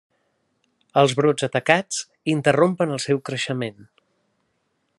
Els brots atacats interrompen el seu creixement.